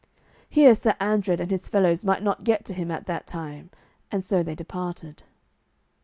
Here Sir Andred and his fellows might not get to him at that time, and so they departed.